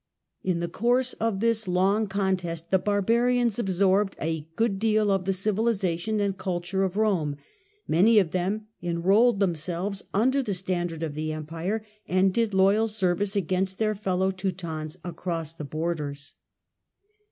In the course of this long contest the barbarians absorbed a good deal of the civilisation and culture of Rome. Many of them enrolled themselves under the standard of the Empire, and did loyal service against their fellow Teutons across the borders.